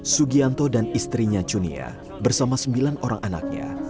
sugianto dan istrinya cunia bersama sembilan orang anaknya